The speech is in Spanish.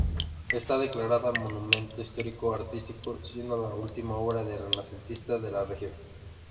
Está declarada Monumento Histórico Artístico, siendo la última obra de renacentista de la región.